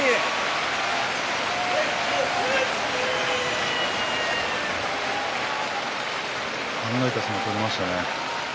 拍手考えた相撲を取りましたね。